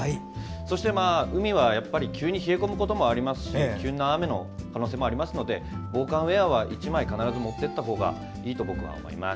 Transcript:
そして海は急に冷え込むこともありますし急な雨の可能性もありますので防寒ウエアは１枚必ず持っていったほうがいいと思います。